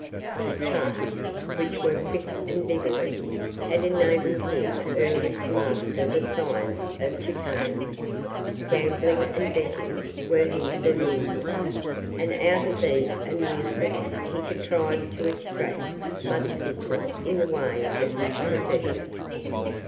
His parts, which were quick and vigorous, had enabled him early to master the science of chicane. Gambling and betting were his amusements; and out of these amusements he contrived to extract much business in the way of his profession.